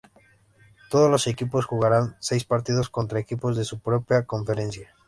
Todos los equipos jugarán seis partidos contra equipos de su propia conferencia.